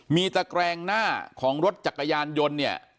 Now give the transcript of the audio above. มีตะแกรงหน้าของรถจักรยานยนต์เนี่ย